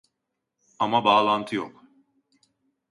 Ama bağlantı yok